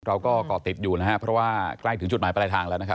เกาะติดอยู่นะครับเพราะว่าใกล้ถึงจุดหมายปลายทางแล้วนะครับ